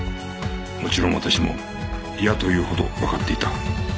もちろん私も嫌というほどわかっていた